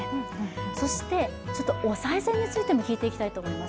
そしておさい銭についても聞いていきたいと思います。